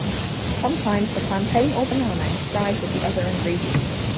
Sometimes a plantain or banana is fried with the other ingredients.